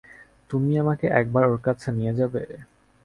তুমি আমাকে একবার ওঁর কাছে নিয়ে যাবে?